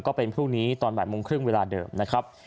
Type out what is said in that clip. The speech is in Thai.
ก็เป็นพรุ่งนี้ตอนบ่ายโมงครึ่งเวลาเดิมนะครับ